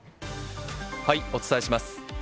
お伝えします。